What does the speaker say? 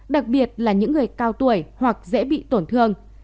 đặc biệt là những người cao tuổi hoặc dễ bị tổn thương